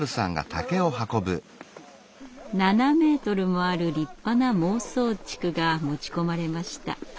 ７ｍもある立派な孟宗竹が持ち込まれました。